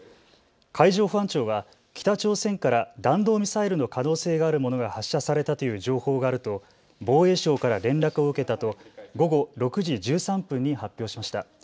海上保安庁は北朝鮮から弾道ミサイルの可能性があるものが発射されたという情報があると防衛省から連絡を受けたと午後６時１３分に発表しました。